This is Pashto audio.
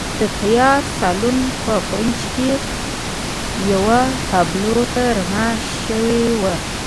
د تیاره سالون په کونج کې یوې تابلو ته رڼا شوې وه